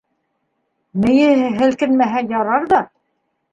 Мейеһе һелкенмәһә ярар ҙа!